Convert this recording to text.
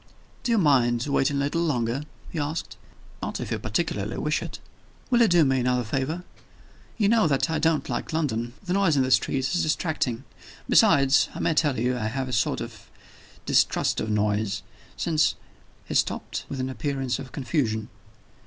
"Do you mind waiting a little longer?" he asked. "Not if you particularly wish it." "Will you do me another favor? You know that I don't like London. The noise in the streets is distracting. Besides, I may tell you I have a sort of distrust of noise, since " He stopped, with an appearance of confusion.